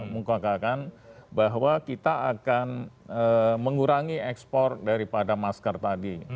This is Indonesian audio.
mengukakan bahwa kita akan mengurangi ekspor daripada masker tadi